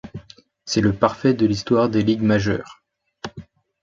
C'est le parfait de l'histoire des Ligues majeures.